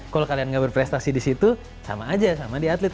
kalau kalian nggak berprestasi di situ sama aja sama di atlet